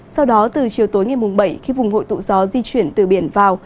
sau đó từ chiều tối ngày mùng bảy khi vùng hội tụ gió di chuyển từ biển vào